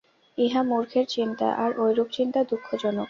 ইহা মূর্খের চিন্তা, আর ঐরূপ চিন্তা দুঃখজনক।